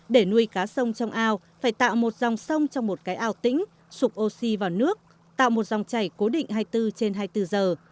để nuôi cá sông trong ao phải tạo một dòng sông trong một cái ao tĩnh sụp oxy vào nước tạo một dòng chảy cố định hai mươi bốn trên hai mươi bốn giờ